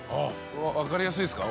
分かりやすいですか？